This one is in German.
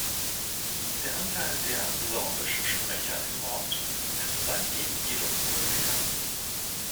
Der Anteil der Sorbisch-Sprecher im Ort ist seitdem jedoch zurückgegangen.